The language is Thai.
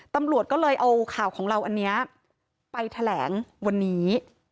ตำรวจก็เลยเอาข่าวของเราอันนี้ไปแถลงวันนี้